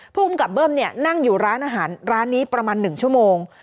ภูมิกับเบิ้มเนี่ยนั่งอยู่ร้านอาหารร้านนี้ประมาณ๑ชั่วโมง